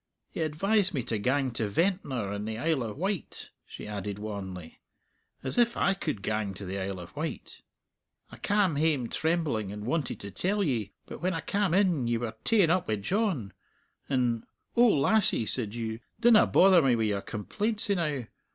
He advised me to gang to Ventnor in the Isle o' Wight," she added wanly; "as if I could gang to the Isle of Wight. I cam hame trembling, and wanted to tell ye; but when I cam in ye were ta'en up wi' John, and, 'O lassie,' said you, 'dinna bother me wi' your complaints enow.'